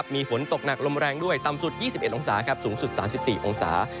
มีฝนตกหนักลมแรงด้วยต่ำสุด๒๑องศาสูงสุด๓๔องศา